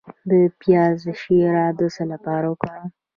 د پیاز شیره د څه لپاره وکاروم؟